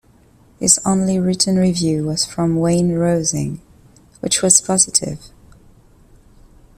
His only written review was from Wayne Rosing, which was positive.